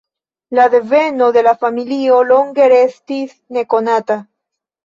La deveno de la familio longe restis nekonata.